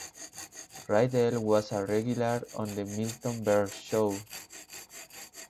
Rydell was a regular on The Milton Berle Show.